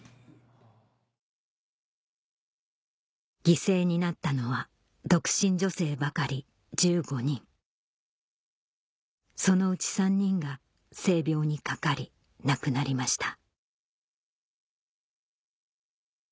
犠牲になったのは独身女性ばかり１５人そのうち３人が性病にかかり亡くなりました